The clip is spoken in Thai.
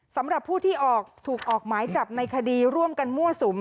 สำหรับผู้ที่ถูกออกหมายจับในคดีร่วมกันมั่วสุม